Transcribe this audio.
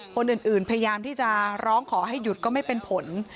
คนอื่นพยายามที่จะร้องขอให้หยุดก็ไม่เป็นผล